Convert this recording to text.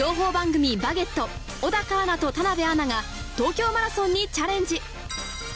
『バゲット』の小高アナと田辺アナが東京マラソンにチャレンジ。